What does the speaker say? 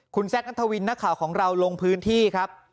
คุณแซคนัทวินนักข่าวของเราลงพื้นที่ครับ